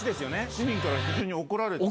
市民から非常に怒られて。